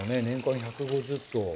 年間１５０頭。